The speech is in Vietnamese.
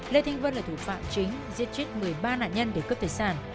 lê thanh vân là thủ phạm chính giết chết một mươi ba nạn nhân để cướp tài sản